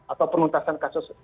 atau penuntasan kasus